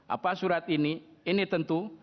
apa surat ini ini tentu